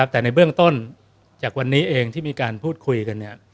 แต่ในเบื้องต้นจากวันนี้เองที่มีการพูดคุยกัน